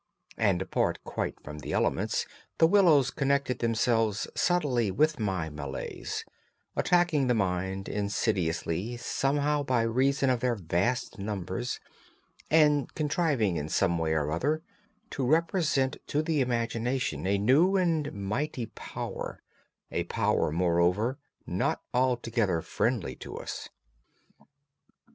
And, apart quite from the elements, the willows connected themselves subtly with my malaise, attacking the mind insidiously somehow by reason of their vast numbers, and contriving in some way or other to represent to the imagination a new and mighty power, a power, moreover, not altogether friendly to us.